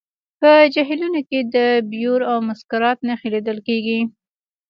په جهیلونو کې د بیور او مسکرات نښې لیدل کیږي